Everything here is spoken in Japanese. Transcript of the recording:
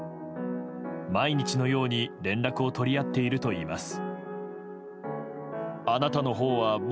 毎日のように連絡を取り合っているといいます。